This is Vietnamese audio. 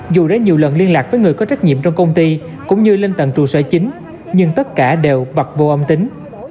dù đã nhiều lần liên lạc với người có trách nhiệm trong công ty cũng như lên tầng trụ sở chính nhưng tất cả đều bật vô âm tính